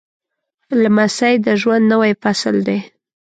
لمسی د ژوند نوی فصل دی.